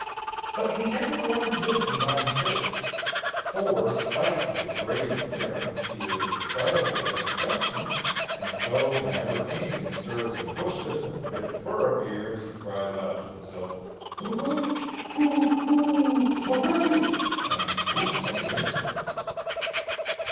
But he never learns wisdom by mistakes; for, spite of his grave appearance, he is excitable as a Frenchman; and so, whenever anything stirs in the bushes and a bit of fur appears, he cries out to himself, A rat, Kookoo! a rabbit! and swoops on the instant.